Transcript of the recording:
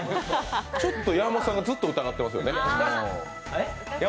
ちょっと山本さんがずっと疑ってますよね。